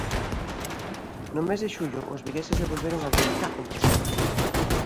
No mes de xullo os vigueses devolveron a visita a Compostela.